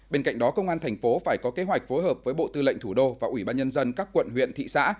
bên cạnh đó công an thành phố phải có kế hoạch phối hợp với bộ tư lệnh thủ đô và ủy ban nhân dân các quận huyện thị xã